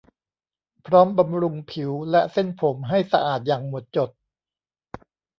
พร้อมบำรุงผิวและเส้นผมให้สะอาดอย่างหมดจด